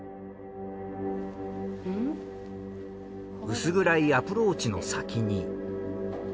薄暗いアプローチの先に。